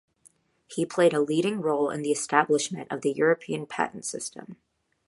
He played a leading role in the establishment of the European patent system.